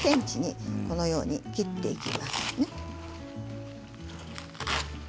４、５ｃｍにこのように切っていきます。